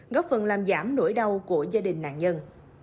góp phần làm giảm nỗi đau của gia đình nạn nhân